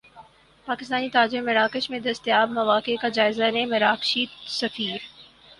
پاکستانی تاجر مراکش میں دستیاب مواقع کا جائزہ لیں مراکشی سفیر